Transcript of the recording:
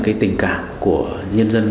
cái tình cảm của những người lính